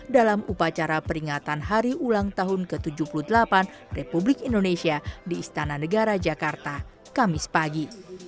dalam upacara peringatan hari ulang tahun ke tujuh puluh delapan republik indonesia di istana negara jakarta kamis pagi